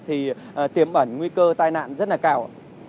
thì tiềm ẩn nguy cơ tai nạn rất là cao